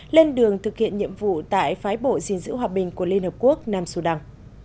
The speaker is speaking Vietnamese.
lên đường thực hiện nhiệm vụ tại phái bộ dình dữ hòa bình của liên hợp quốc nam sudan